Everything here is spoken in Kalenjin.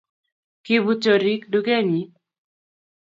kibut choriik dukenyin